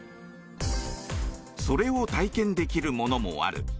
それを体験できるものもある。